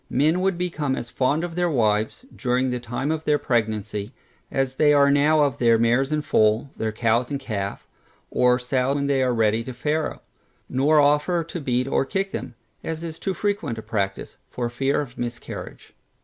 Men would become as fond of their wives, during the time of their pregnancy, as they are now of their mares in foal, their cows in calf, or sows when they are ready to farrow; nor offer to beat or kick them (as is too frequent a practice) for fear of a miscarriage.